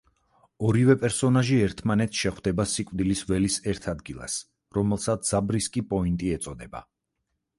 ორი პერსონაჟი ერთმანეთს შეხვდება სიკვდილის ველის ერთ ადგილას, რომელსაც ზაბრისკი პოინტი ეწოდება.